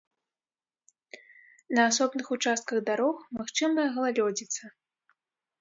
На асобных участках дарог магчымая галалёдзіца.